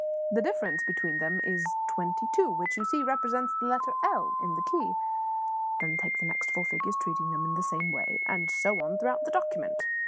The difference between them is twenty two, which, you see, represents the letter L in the key. Then take the next four figures, treating them in the same way, and so on throughout the document.